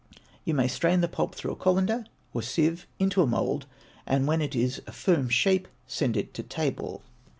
You may strain the pulp through a cullender or sieve into a mould, and when it is a firm shape send it to table.